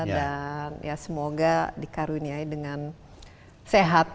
dan ya semoga dikaruniai dengan sehat kesehatan